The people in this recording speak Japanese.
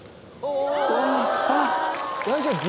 大丈夫？